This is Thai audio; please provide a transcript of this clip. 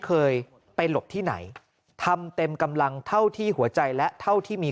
เคยไปหลบที่ไหนทำเต็มกำลังเท่าที่หัวใจและเท่าที่มี